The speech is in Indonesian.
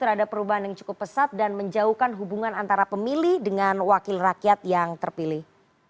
terhadap perubahan yang cukup pesat dan menjauhkan hubungan antara pemilih dengan wakil rakyat yang terpilih